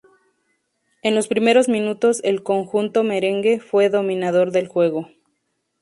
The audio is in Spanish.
En los primeros minutos, el conjunto "merengue" fue dominador del juego.